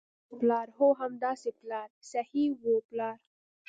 هو، پلار، هو همداسې پلار صحیح وو، پلار.